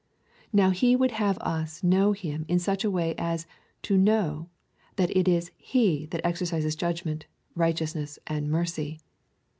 Now he would have us know him in such a way as to know that it is he that exercises judg ment, righteousness, and mercy.